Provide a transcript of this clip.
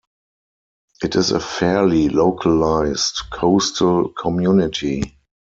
It is a fairly localised coastal community.